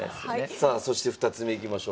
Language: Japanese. さあそして２つ目いきましょう。